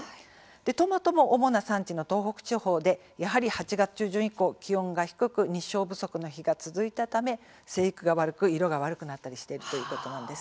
トマトも主な産地の東北地方でやはり８月中旬以降気温が低く日照不足の日が続いたため生育が悪く色が悪くなったりしているということなんです。